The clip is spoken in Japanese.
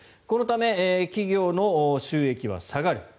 このため、企業の収益は下がる。